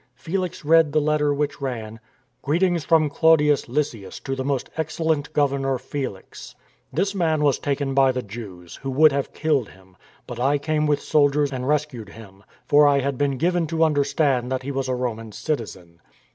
Felix read the letter, which ran :'' Greetings from Claudius Lysias to the most excellent governor Felix. * Called locally Kalactras le ain. 304. STORM AND STRESS " This man was taken by the Jews, who would have killed him, but I came with soldiers and rescued him, for I had been given to understand that he was a Roman citizen.